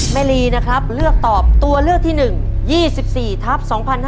ลีนะครับเลือกตอบตัวเลือกที่๑๒๔ทับ๒๕๕๙